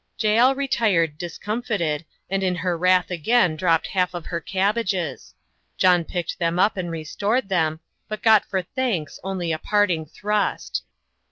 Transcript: Jael retired discomfited, and in her wrath again dropped half of her cabbages. John picked them up and restored them; but got for thanks only a parting thrust.